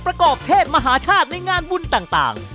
ประกอบเทศมหาชาติในงานบุญต่าง